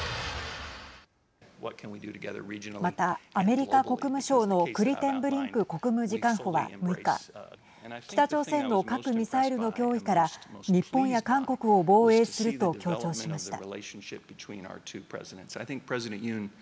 また、アメリカ国務省のクリテンブリンク国務次官補は６日北朝鮮の核・ミサイルの脅威から日本や韓国を防衛すると強調しました。